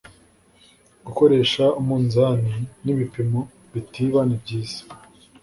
gukoresha umunzani n’ibipimo bitiba, nibyiza